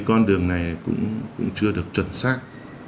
con đường này cũng chưa được chuẩn xác